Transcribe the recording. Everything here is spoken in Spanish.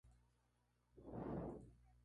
Plantas anuales.